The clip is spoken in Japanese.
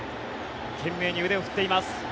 懸命に腕を振っています。